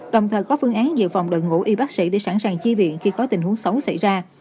đồng thời có phương án dự phòng đội ngũ y bác sĩ để sẵn sàng chi viện khi có tình huống xấu xảy ra